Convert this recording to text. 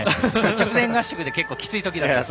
直前合宿で結構きついときだったんです。